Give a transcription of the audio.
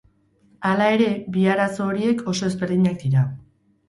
Hala ere, bi arazo horiek oso ezberdinak dira.